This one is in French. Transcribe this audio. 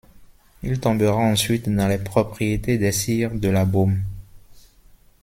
Il tombera ensuite dans les propriétés des sires De La Baume.